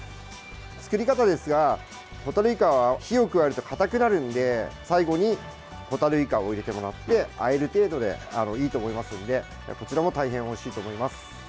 作り方ですが、ホタルイカは火を加えると硬くなるので最後にホタルイカを入れてもらってあえる程度でいいと思いますのでこちらも大変おいしいと思います。